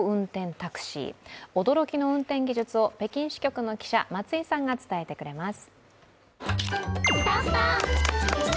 タクシー驚きの運転技術を北京支局の記者、松井さんが伝えてくれます。